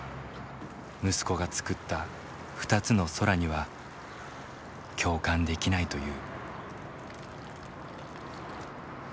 息子が作った「二つの空」には共感できないという。